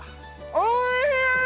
おいしい！